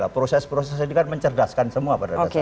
proses proses ini kan mencerdaskan semua pada dasarnya